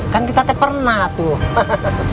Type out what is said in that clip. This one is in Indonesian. kan kita pernah tuh